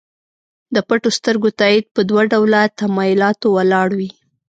د پټو سترګو تایید په دوه ډوله تمایلاتو ولاړ وي.